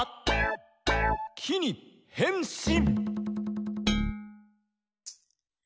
「壁に変身！」